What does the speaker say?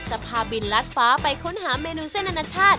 พาบินลัดฟ้าไปค้นหาเมนูเส้นอนาชาติ